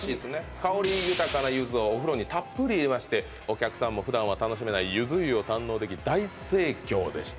香り豊かなゆずをお風呂にたっぷり入れましてお客さんも普段は楽しめないゆず湯を堪能でき大盛況でした